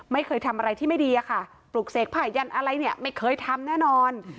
ไม่เคยทำอะไรที่ไม่ดีอะค่ะปลุกเสกผ่ายันอะไรเนี่ยไม่เคยทำแน่นอน